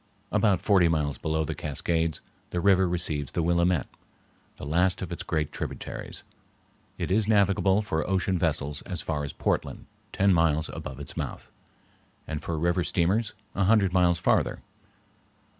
About forty miles below the Cascades the river receives the Willamette, the last of its great tributaries. It is navigable for ocean vessels as far as Portland, ten miles above its mouth, and for river steamers a hundred miles farther.